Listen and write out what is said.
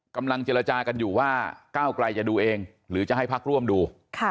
กำลังเจรจากันอยู่ว่าก้าวไกลจะดูเองหรือจะให้พักร่วมดู